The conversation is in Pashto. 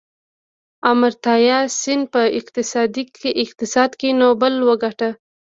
امرتیا سین په اقتصاد کې نوبل وګاټه.